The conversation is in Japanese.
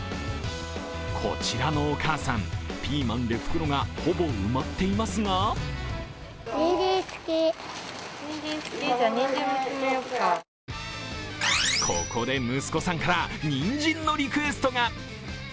こちらのお母さん、ピーマンで袋がほぼ埋まっていますがここで息子さんから、にんじんのリクエストが。